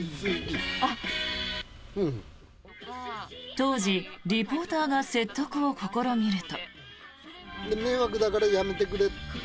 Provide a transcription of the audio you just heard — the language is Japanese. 当時、リポーターが説得を試みると。